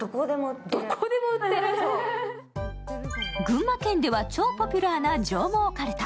群馬県では町ポピュラーな上毛かるた。